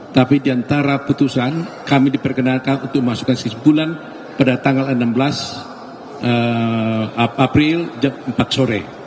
tapi di antara putusan kami diperkenalkan untuk memasukkan kesimpulan pada tanggal enam belas april jam empat sore